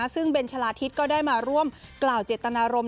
ซึ่งเบนชะลาทิศก็ได้มาร่วมกล่าวเจตนารมณ